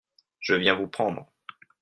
Je viens vous prendre.